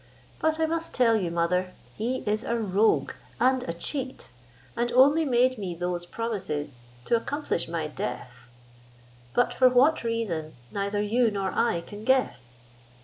But I must tell you, mother, he is a rogue and a cheat, and only made me those promises to accomplish my death; but for what reason neither you nor I can guess.